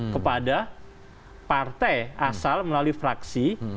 kepada partai asal melalui fraksi